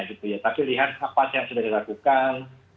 tapi lihat apa yang sudah dilakukan